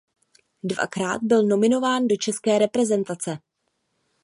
Dvakrát byl nominován do české reprezentace.